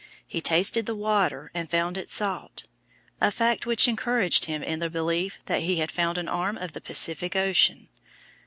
He tasted the water and found it salt, a fact which encouraged him in the belief that he had found an arm of the Pacific Ocean.